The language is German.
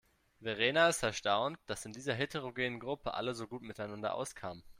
Verena ist erstaunt, dass in dieser heterogenen Gruppe alle so gut miteinander auskamen.